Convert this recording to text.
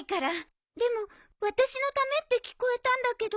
でも私のためって聞こえたんだけど。